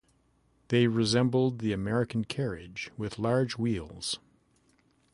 They resembled the American carriage with large wheels.